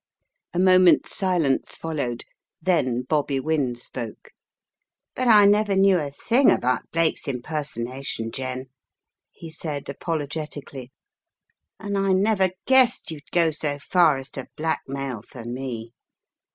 A moment's silence followed, then Bobby Wynne spoke. "But I never knew a thing about Blake's imper sonation, Jen," he said, apologetically, "and I 302 The Riddle of the Purple Emperor never guessed you'd go so far as to blackmail for me!